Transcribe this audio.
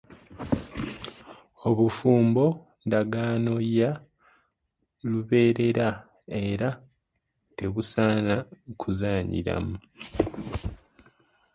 Obufumbo ndagaano ya lubeerera era tebusaana kuzannyiramu.